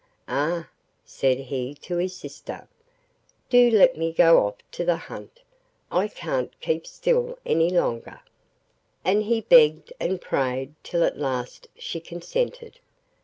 'Ah!' said he to sister, 'do let me go off to the hunt! I can't keep still any longer.' And he begged and prayed till at last she consented.